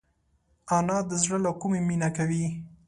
انا د زړه له کومي مینه کوي